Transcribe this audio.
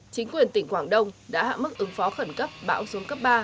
chính quyền tỉnh quảng đông đã hạ mức ứng phó khẩn cấp bão xuống cấp ba